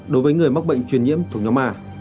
đối với người mắc bệnh truyền nhiễm thuộc nhóm a